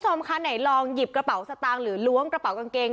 คุณผู้ชมคะไหนลองหยิบกระเป๋าสตางค์หรือล้วงกระเป๋ากางเกง